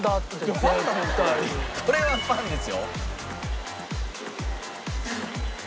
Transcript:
これはパンですよ。